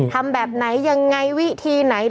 ทำแบบไหนยังไงวิธีไหน